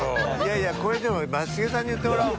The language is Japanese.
いやこれ松重さんに言ってもうらおう。